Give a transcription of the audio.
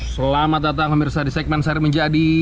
selamat datang pemirsa di segmen seri menjadi